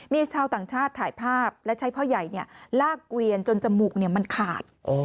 มีชาวต่างชาติถ่ายภาพและใช้พ่อใหญ่ลากเกวียนจนจมูกมันขาด